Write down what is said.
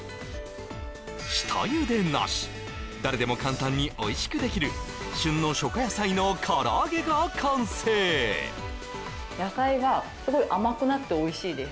下茹でなし誰でも簡単においしくできるが完成野菜がすごい甘くなっておいしいです